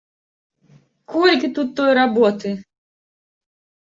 Колькі тут той работы!